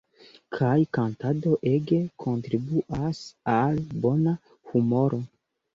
Kaj kantado ege kontribuas al bona humoro.